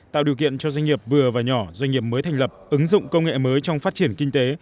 tạo điều kiện cho doanh nghiệp vừa và nhỏ doanh nghiệp mới thành lập ứng dụng công nghệ mới trong phát triển kinh tế